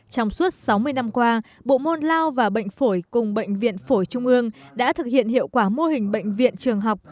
trong suốt sáu mươi năm qua bộ môn lao và bệnh phổi cùng bệnh viện phổi trung ương đã thực hiện hiệu quả mô hình bệnh viện trường học